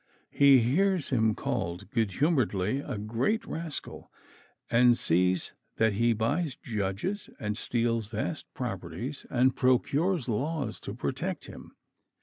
He hears him called good humoredly a great rascal, and sees that he buys judges, and steals vast properties, and procures laws to protect him.